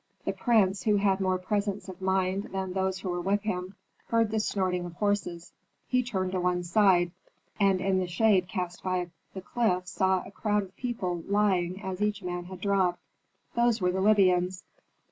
The prince, who had more presence of mind than those who were with him, heard the snorting of horses; he turned to one side, and in the shade cast by the cliff saw a crowd of people lying as each man had dropped. Those were the Libyans.